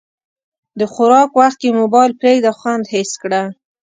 د خوراک وخت کې موبایل پرېږده، خوند حس کړه.